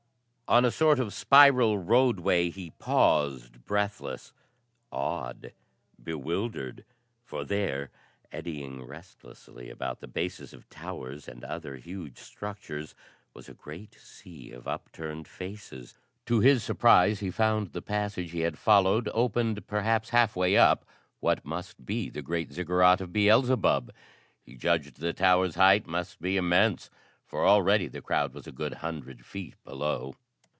On a sort of spiral roadway he paused, breathless, awed, bewildered, for there, eddying restlessly about the bases of towers and other huge structures, was a great sea of up turned faces. To his surprise he found the passage he had followed opened perhaps halfway up what must be the great Ziggurat of Beelzebub. He judged the tower's height must be immense, for already the crowd was a good hundred feet below.